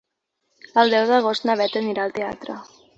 El deu d'agost na Beth anirà al teatre.